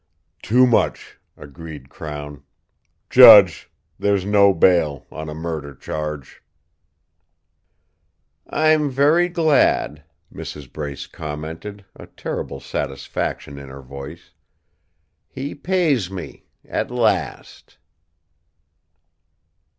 "Too much," agreed Crown. "Judge, there's no bail on a murder charge." "I'm very glad," Mrs. Brace commented, a terrible satisfaction in her voice. "He pays me at last."